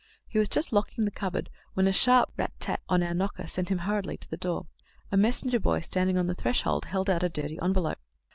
He was just locking the cupboard when a sharp rat tat on our knocker sent him hurriedly to the door. A messenger boy, standing on the threshold, held out a dirty envelope.